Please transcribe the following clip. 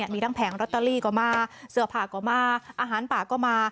มีทั้งแผงลอตเตอรี่ก็มาเสื้อผ้าก็มาอาหารป่าก็มา